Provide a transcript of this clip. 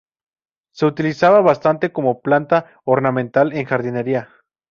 Se utiliza bastante como planta ornamental en jardinería.